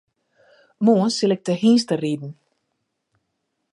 Moarn sil ik te hynsteriden.